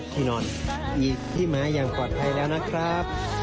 พี่นอนพี่มายังปลอดภัยแล้วนะครับ